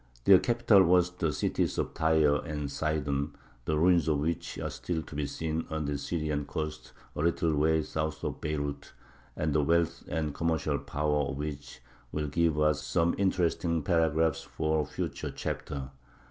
Their capitals were the cities Tyre and Sidon, the ruins of which are still to be seen on the Syrian coast a little way south of Beirut, and the wealth and commercial power of which will give us some interesting paragraphs for a future chapter.